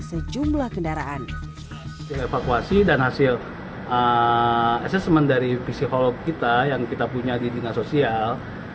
sejumlah kendaraan evakuasi dan hasil asesmen dari psikolog kita yang kita punya di dinas sosial